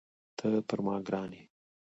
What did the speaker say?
ته پر ما ګران یې.